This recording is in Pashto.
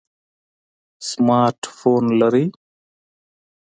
سمارټ فون لرئ؟